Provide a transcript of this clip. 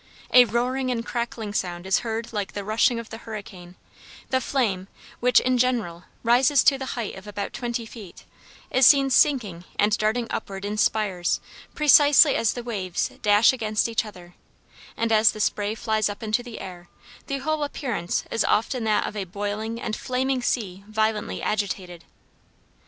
A roaring and crackling sound is heard like the rushing of the hurricane; the flame, which, in general, rises to the height of about twenty feet, is seen sinking and darting upward in spires precisely as the waves dash against each other, and as the spray flies up into the air; the whole appearance is often that of a boiling and flaming sea violently agitated.